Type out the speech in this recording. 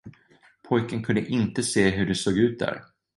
Pojken kunde inte se hur det såg ut där.